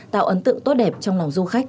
tạo ấn tượng tốt đẹp trong lòng du khách